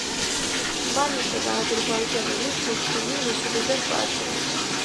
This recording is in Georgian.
მან იცოდა აზერბაიჯანული, თურქული, რუსული და სპარსული.